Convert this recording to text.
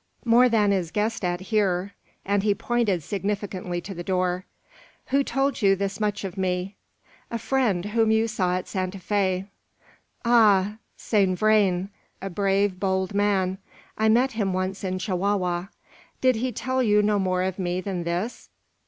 "More than is guessed at here;" and he pointed significantly to the door. "Who told you thus much of me?" "A friend, whom you saw at Santa Fe." "Ah! Saint Vrain; a brave, bold man. I met him once in Chihuahua. Did he tell you no more of me than this?"